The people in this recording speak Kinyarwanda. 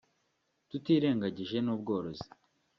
tutirengangije n’ubworozi